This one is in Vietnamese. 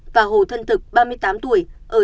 và hồ thân thực ba mươi tám tuổi